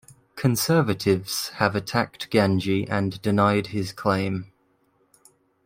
Conservatives have attacked Ganji and denied his claim.